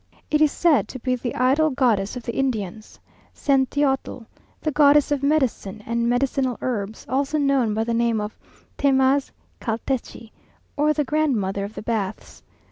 It is said to be the idol goddess of the Indians, Centeotl, the goddess of medicine and medicinal herbs, also known by the name of Temaz calteci, or the "Grandmother of the Baths."